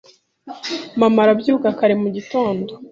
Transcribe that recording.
Mama arabyuka kare mu gitondo.